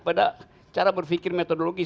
pada cara berpikir metodologis